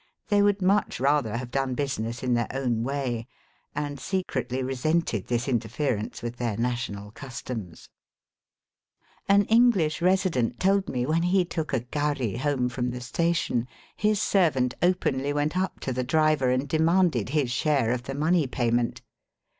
They would much rather have done business in their own Digitized by VjOOQIC 218 EAST BY WEST. way, and secretly resented this interference with their national customs. An EngUsh resident told me when he took a gharry home from the station his servant openly went up to the driver and demanded his share of the money payment.